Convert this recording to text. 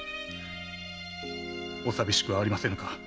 お寂しくはありませぬか？